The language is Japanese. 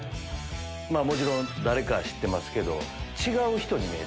もちろん誰かは知ってますけど。